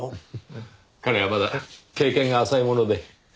彼はまだ経験が浅いもので。